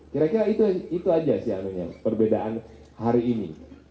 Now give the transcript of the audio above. kira kira itu aja sih anunya perbedaan hari ini